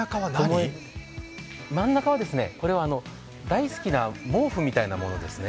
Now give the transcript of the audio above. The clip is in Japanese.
真ん中は、これは大好きな毛布みたいなものですね。